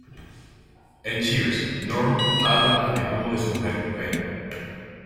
En "Cheers", Norm habla a menudo de su mujer Vera.